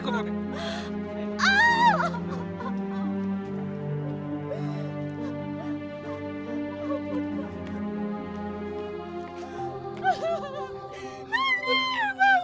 cepat cepat pak taksinya pak